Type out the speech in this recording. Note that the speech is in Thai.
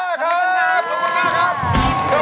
โทษให้โทษให้โทษให้